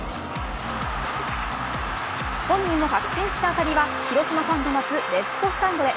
本人も確信した当たりは広島ファンが待つレフトスタンドへ。